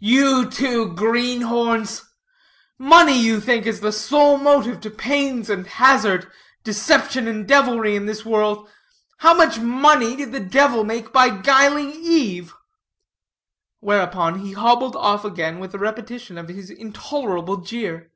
"You two green horns! Money, you think, is the sole motive to pains and hazard, deception and deviltry, in this world. How much money did the devil make by gulling Eve?" Whereupon he hobbled off again with a repetition of his intolerable jeer.